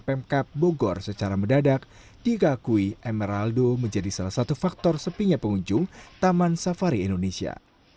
pemkap bogor secara mendadak digakui emeraldo menjadi salah satu faktor sepinya pengunjung taman safari indonesia